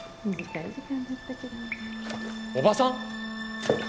おばさん！？